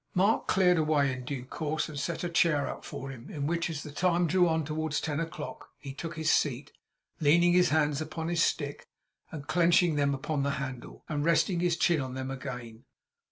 Mark cleared away in due course, and set a chair out for him, in which, as the time drew on towards ten o'clock, he took his seat, leaning his hands upon his stick, and clenching them upon the handle, and resting his chin on them again.